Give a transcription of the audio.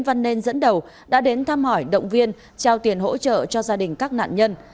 đoàn lãnh đạo thành ủy tp hcm đã đến thăm hỏi động viên trao tiền hỗ trợ cho gia đình các nạn nhân